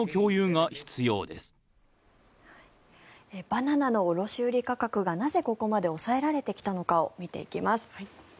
バナナの卸売価格がなぜここまで抑えられてきたのかを見ていきます。